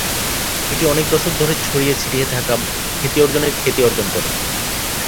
এটি অনেক দশক ধরে ছড়িয়ে ছিটিয়ে থাকা খ্যাতি অর্জনের খ্যাতি অর্জন করে।